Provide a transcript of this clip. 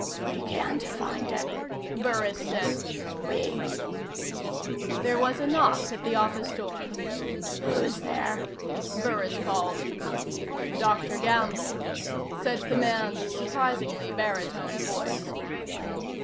"We can't find any," Burris said. "We " There was a knock at the office door. "Who's there?" Burris called. "Dr. Gamble," said the man's surprisingly baritone voice.